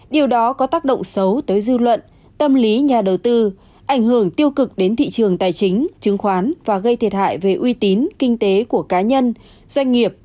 điều đó có tác động xấu tới dư luận tâm lý nhà đầu tư ảnh hưởng tiêu cực đến thị trường tài chính chứng khoán và gây thiệt hại về uy tín kinh tế của cá nhân doanh nghiệp